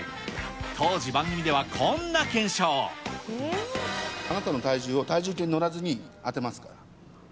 当時、あなたの体重を体重計に乗らずに当てますから。